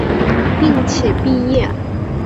并且毕业。